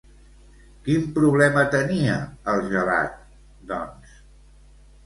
Quin problema tenia el gelat, doncs?